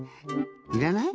いらない？